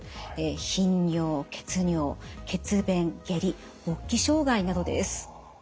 頻尿・血尿血便・下痢勃起障害などです。